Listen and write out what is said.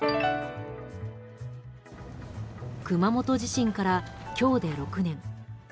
熊本地震から今日で６年。